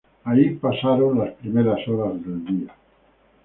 Ahí pasaron las primeras horas del día.